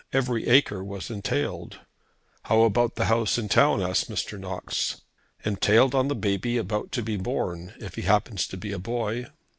Every acre was entailed." "How about the house in town?" asked Mr. Knox. "Entailed on the baby about to be born, if he happens to be a boy."